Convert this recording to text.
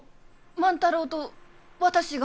万太郎と私が？